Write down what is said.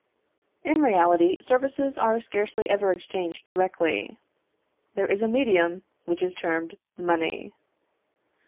In reality, services are scarcely ever exchanged directly. There is a medium, which is termed money.